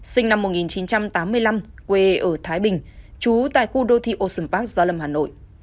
sinh năm một nghìn chín trăm tám mươi năm quê ở thái bình trú tại khu đô thị ocean park gia lâm hà nội